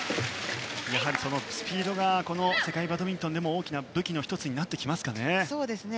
そのスピードがこの世界バドミントンでも大きな武器の１つになってきますかね。